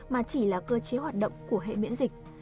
mà chỉ là cơ chế hoạt động của hệ miễn dịch